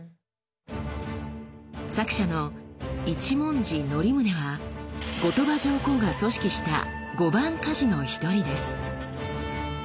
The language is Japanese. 作者の一文字則宗は後鳥羽上皇が組織した「御番鍛冶」の一人です。